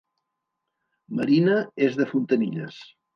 Marina és de Fontanilles